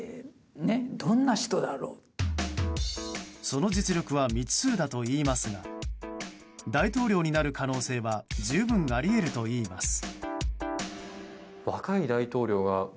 その実力は未知数だといいますが大統領になる可能性は十分あり得るといいます。